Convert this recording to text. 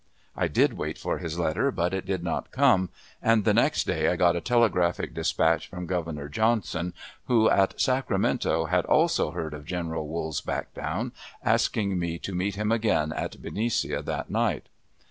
I did wait for his letter, but it did not come, and the next day I got a telegraphic dispatch from Governor Johnson, who, at Sacramento, had also heard of General Wool's "back down," asking me to meet him again at Benicia that night.